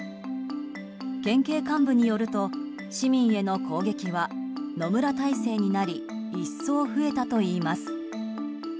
県警幹部によると市民への攻撃は野村体制になり一層増えたといいます。